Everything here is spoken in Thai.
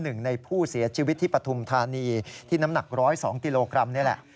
หนึ่งในผู้เสียชีวิตที่ปฐุมธานีที่น้ำหนัก๑๐๒กิโลกรัมนี่แหละ